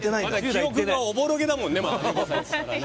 記憶がおぼろげだよね。